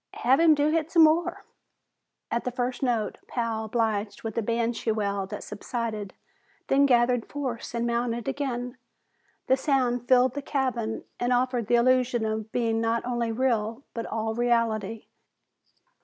"Have him do hit some more." At the first note, Pal obliged with a banshee wail that subsided, then gathered force and mounted again. The sound filled the cabin and offered the illusion of being not only real, but all reality.